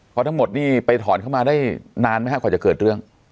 เพราะทั้งหมดนี่ไปถอนเข้ามาได้นานไหมครับกว่าจะเกิดเรื่อง